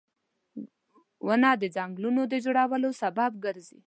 • ونه د ځنګلونو د جوړولو سبب ګرځي